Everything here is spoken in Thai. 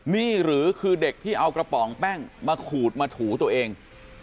นี่หรือคือเด็กที่เอากระป๋องแป้งมาขูดมาถูตัวเอง